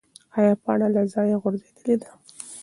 ایا پاڼه له ځایه غورځېدلې ده؟